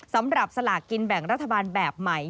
สำหรับสลากกินแบ่งรัฐบาลแบบใหม่